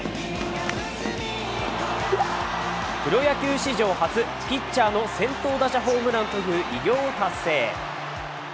プロ野球史上初、ピッチャーの先頭打者ホームランという偉業を達成。